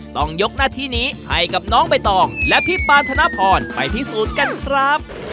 ต้องยกหน้าที่นี้ให้กับน้องใบตองและพี่ปานธนพรไปพิสูจน์กันครับ